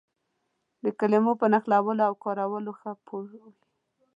د کلمو په نښلولو او کارولو ښه پوه وي.